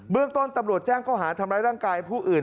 เรื่องต้นตำรวจแจ้งเขาหาทำร้ายร่างกายผู้อื่น